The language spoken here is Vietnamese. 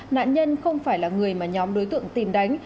nạn nhân không phải là người mà nhóm đối tượng tìm đánh